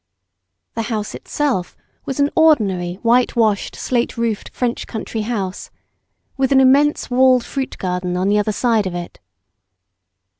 The house itself was an ordinary white washed, slate roofed, French country house, with an immense walled fruit garden on the other side of it.